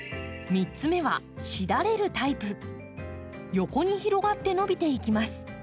横に広がって伸びていきます。